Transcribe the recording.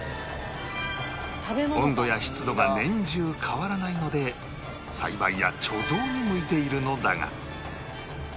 温度や湿度が年中変わらないので栽培や貯蔵に向いているのだが